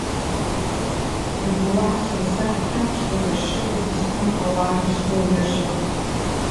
Иаргьы уаҳа сара сахь дхьамԥшӡакәа ашьшьыҳәа днаскьон, ауаа иҽрыларҩашьауа.